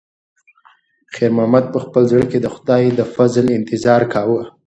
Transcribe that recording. خیر محمد په خپل زړه کې د خدای د فضل انتظار کاوه.